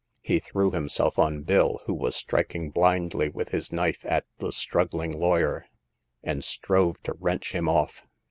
He threw himself on Bill, who was striking blindly with his knife at the struggling lawyer, and strove to wrench him off.